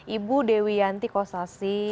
ibu dewi yanti kostasi